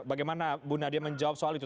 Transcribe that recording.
bagaimana bu nadia menjawab soal itu